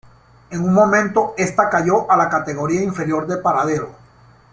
En un momento esta cayó a la categoría inferior de paradero.